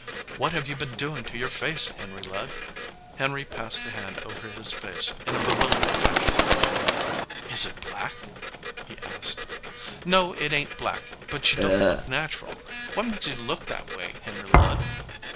"What have you been doin to your face, Henry Ludd?" Henry passed a hand over his face in a bewil dered fashion. "Is it black ?" he asked. "No, it ain t black ; but you don t look natural. What makes you look that way, Henry Ludd?